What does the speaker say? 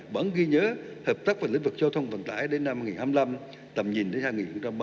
vẫn ghi nhớ hợp tác vào lĩnh vực giao thông vận tải đến năm hai nghìn hai mươi năm tầm nhìn đến hai nghìn ba mươi